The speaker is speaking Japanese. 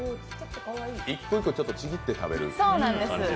１個１個ちぎって食べる感じなんだ。